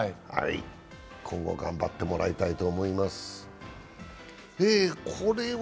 今後も頑張ってもらいたいと思います。